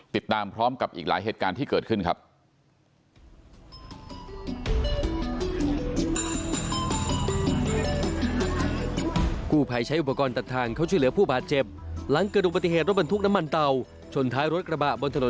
ติดตามพร้อมกับอีกหลายเหตุการณ์ที่เกิดขึ้นครับ